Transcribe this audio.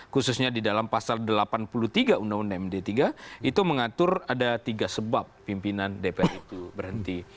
khususnya di dalam pasal delapan puluh tiga undang undang md tiga itu mengatur ada tiga sebab pimpinan dpr itu berhenti